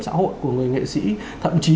xã hội của người nghệ sĩ thậm chí